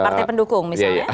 partai pendukung misalnya